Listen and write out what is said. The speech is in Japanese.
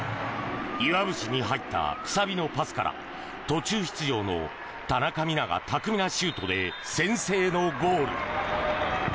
岩渕に入った楔のパスから途中出場の田中美南が巧みなシュートで先制のゴール。